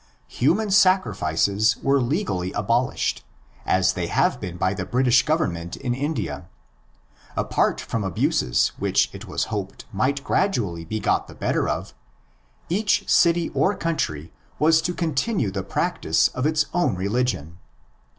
Human sacrifices were legally abolished, as they have been by the British Government in India. Apart from abuses which it was hoped might gradually be got the better of, each city or country was to continue the practice of its own religion.